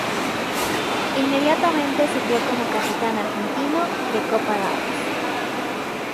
Inmediatamente sirvió como capitán argentino de Copa Davis.